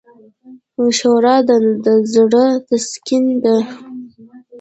ښوروا د زړه تسکین ده.